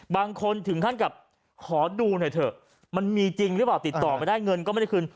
ถึงขั้นกับขอดูหน่อยเถอะมันมีจริงหรือเปล่าติดต่อไม่ได้เงินก็ไม่ได้คืน